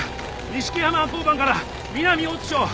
錦山交番から南大津署。